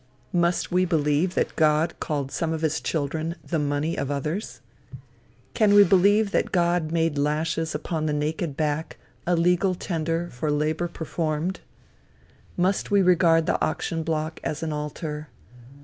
Must we believe that God called some of his children the money of others? Can we believe that God made lashes upon the naked back, a legal tender for labor performed? Must we regard the auction block as an altar?